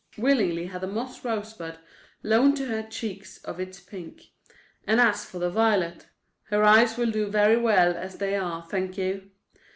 Willingly had the moss rosebud loaned to her cheeks of its pink—and as for the violet!—her eyes will do very well as they are, thank you.